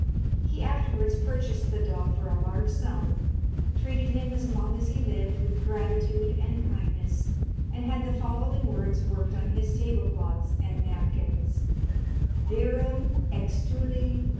He afterwards purchased the dog for a large sum, treated him as long as he lived with gratitude and kindness, and had the following words worked on his table cloths and napkins "Virum extuli mari."